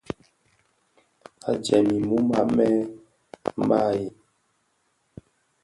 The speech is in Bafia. A jèm mum, a mêê maàʼyèg.